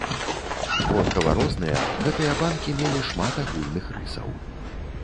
Вонкава розныя, гэтыя банкі мелі шмат агульных рысаў.